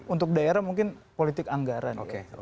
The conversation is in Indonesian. untuk daerah mungkin polisi yang lebih besar mungkin bisa menilai itu